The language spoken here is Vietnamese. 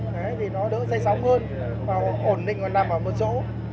thế thì nó đỡ say sóng hơn và ổn định còn nằm ở một chỗ